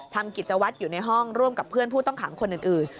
กิจวัตรอยู่ในห้องร่วมกับเพื่อนผู้ต้องขังคนอื่น